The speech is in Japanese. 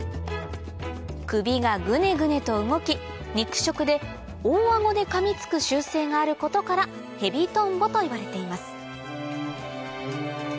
首がグネグネと動き肉食で大顎で噛みつく習性があることから「ヘビトンボ」といわれています